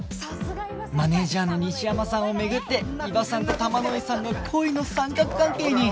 マネージャーの西山さんを巡って伊庭さんと玉乃井さんが恋の三角関係に！